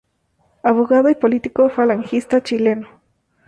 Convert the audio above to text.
Abogado y político falangista chileno.